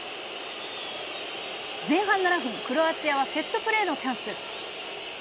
前半７分、クロアチアはセットプレーのチャンス。